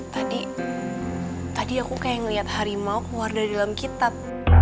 tadi tadi aku kayak ngeliat harimau keluar dari dalam kitab